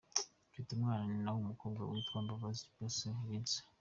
Mfite umwana w’umukobwa witwa Mbabazi Yessah Linca.